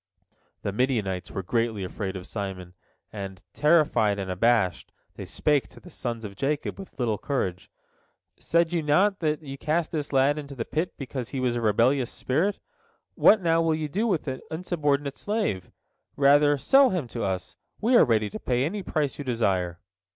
The Midianites were greatly afraid of Simon, and, terrified and abashed, they spake to the sons of Jacob with little courage: "Said ye not that ye cast this lad into the pit because he was of a rebellious spirit? What, now, will ye do with an insubordinate slave? Rather sell him to us, we are ready to pay any price you desire."